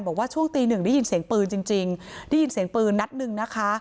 บอกว่าช่วงตีหนึ่งได้ยินเสียงปืนจริงได้ยินเสียงปืนนัดหนึ่งนะคะ